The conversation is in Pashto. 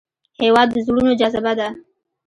هېواد د زړونو جذبه ده.